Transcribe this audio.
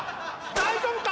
大丈夫か？